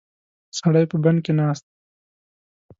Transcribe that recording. سړی په بند کې ناست دی.